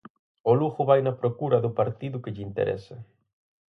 O Lugo vai na procura do partido que lle interesa.